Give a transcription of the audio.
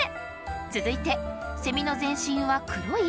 続いてセミの全身は黒い？